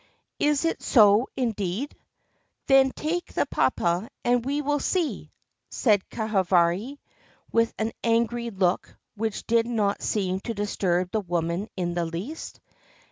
"Is it so, indeed? Then take the papa and we will see!" said Kahavari, with an angry look which did not seem to disturb the woman in the least.